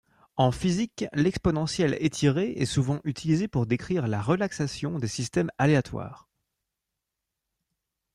En physique, l’exponentielle étirée est souvent utilisée pour décrire la relaxation des systèmes aléatoires.